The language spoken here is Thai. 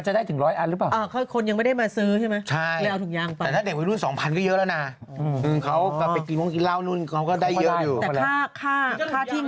ช่วยกันเอาอย่างนี้ดีกว่าวันนี้คนที่อยู่บนโทรศัพท์